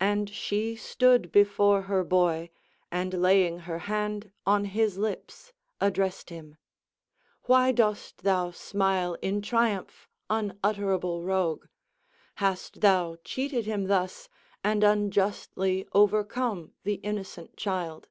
And she stood before her boy, and laying her hand on his lips, addressed him: "Why dost thou smile in triumph, unutterable rogue? Hast thou cheated him thus, and unjustly overcome the innocent child?